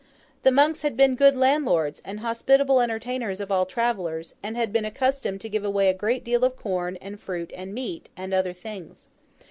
The monks had been good landlords and hospitable entertainers of all travellers, and had been accustomed to give away a great deal of corn, and fruit, and meat, and other things.